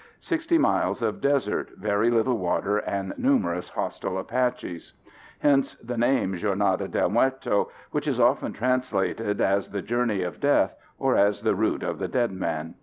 Sixty miles of desert, very little water, and numerous hostile Apaches. Hence the name Jornada del Muerto, which is often translated as the journey of death or as the route of the dead man.